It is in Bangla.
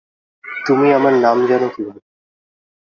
তুমি আমার নাম জানো কীভাবে?